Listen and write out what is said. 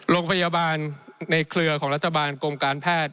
โรงพยาบาลในเครือของรัฐบาลกรมการแพทย์